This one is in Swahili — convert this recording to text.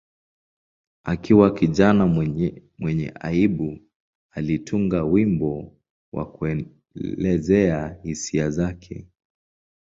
Akiwa kijana mwenye aibu, alitunga wimbo wa kuelezea hisia zake.